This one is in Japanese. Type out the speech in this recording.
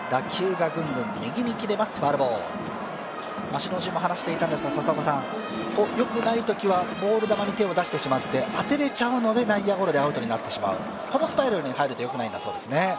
首脳陣も話していたんですが、よくないときはボール球に手を出してしまって、当てれちゃうので内野ゴロでアウトになってしまう、このスパイラルに入るとよくないんだそうですね。